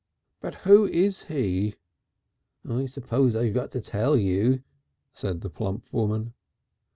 "But who is he?" "I suppose I got to tell you," said the plump woman.